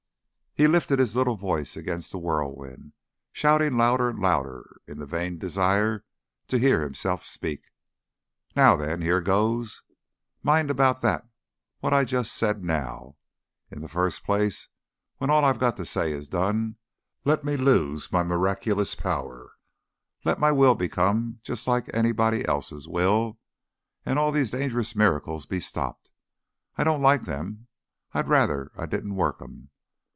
He lifted his little voice against the whirlwind, shouting louder and louder in the vain desire to hear himself speak. "Now then! here goes! Mind about that what I said just now. In the first place, when all I've got to say is done, let me lose my miraculous power, let my will become just like anybody else's will, and all these dangerous miracles be stopped. I don't like them. I'd rather I didn't work 'em.